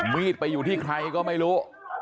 มีดไปอยู่ที่ใครก็ไม่รู้